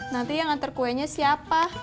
nanti yang ngantar kuenya siapa